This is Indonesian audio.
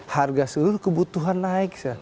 harga seluruh kebutuhan naik